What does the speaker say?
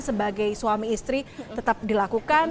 sebagai suami istri tetap dilakukan